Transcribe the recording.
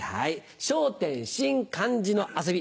『笑点』新漢字の遊び。